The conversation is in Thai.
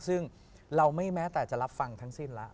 ซึ่งเราไม่แม้แต่จะรับฟังทั้งสิ้นแล้ว